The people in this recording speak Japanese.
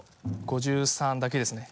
５３だけですね。